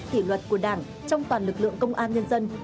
kỷ luật của đảng trong toàn lực lượng công an nhân dân